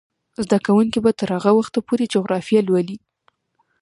زده کوونکې به تر هغه وخته پورې جغرافیه لولي.